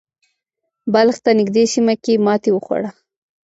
بلخ ته نږدې سیمه کې یې ماتې وخوړه.